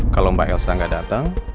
kalau mbak elsa nggak datang